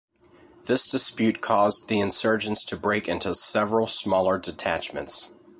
This dispute caused the insurgents to break into several smaller detachments.